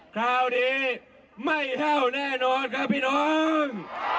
คราวนี้ไม่แห้วแน่นอนครับพี่น้อง